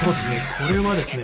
これはですね